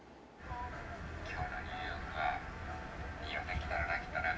「今日のニューヨークはいいお天気だろうなきっとな」。